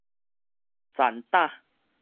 殘膽